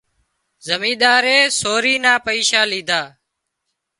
زمينۮارئي سوري نا پئيشا ليڌا